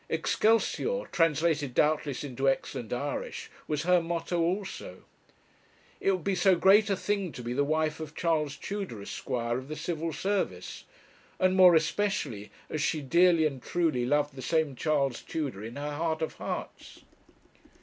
'Excelsior,' translated doubtless into excellent Irish, was her motto also. It would be so great a thing to be the wife of Charles Tudor, Esq., of the Civil Service, and more especially as she dearly and truly loved the same Charles Tudor in her heart of hearts.